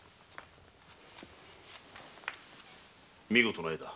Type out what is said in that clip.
見事な絵だ。